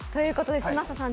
嶋佐さん